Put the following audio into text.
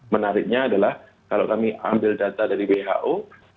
menariknya adalah kalau kami ambil data dari who